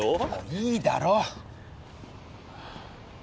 いいだろ！